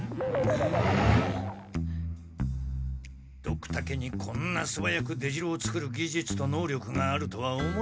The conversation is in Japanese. ドクタケにこんなすばやく出城をつくる技術と能力があるとは思えん。